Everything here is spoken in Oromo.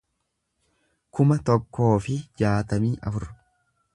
kuma tokkoo fi jaatamii afur